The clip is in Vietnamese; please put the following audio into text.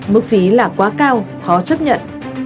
mức phí là quá cao khó chấp nhận